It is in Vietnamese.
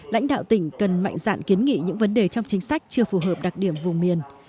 lãnh đạo tỉnh cần mạnh dạn kiến nghị những vấn đề trong chính sách chưa phù hợp đặc điểm vùng miền